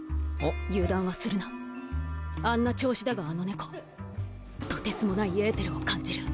油断はするなあんな調子だがあのネコとてつもないえーてるを感じる。